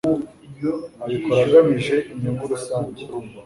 abikora agamije inyungu rusange